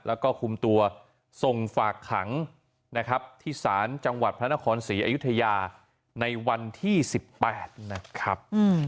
แล้วก็คุมตัวส่งฝากขังนะครับที่ศาลจังหวัดพระนครศรีอยุธยาในวันที่๑๘นะครับ